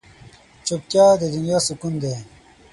چوپتیا، د دنیا سکون دی.